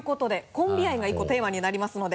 コンビ愛が１個テーマになりますので。